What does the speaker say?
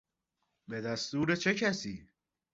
به دستور چه کسی؟